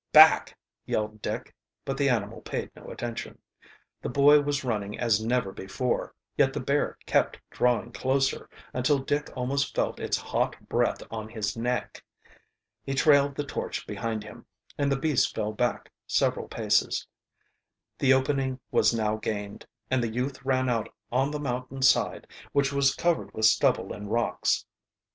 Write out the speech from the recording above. "Back!" yelled Dick, but the animal paid no attention. The boy was running as never before, yet the bear kept drawing closer, until Dick almost felt its hot breath on his neck. He trailed the torch behind him and the beast fell back several paces. The opening was now gained, and the youth ran out on the mountain side, which was covered with stubble and rocks.